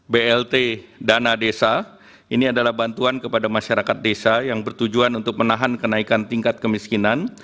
blt dana desa ini adalah bantuan kepada masyarakat desa yang bertujuan untuk menahan kenaikan tingkat kemiskinan